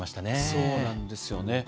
そうなんですよね。